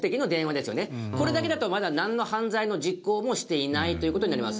これだけだとまだなんの犯罪の実行もしていないという事になります。